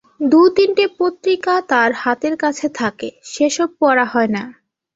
দু-তিনটে পত্রিকা তার হাতের কাছে থাকে, সে-সব পড়া হয় না।